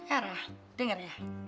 era denger ya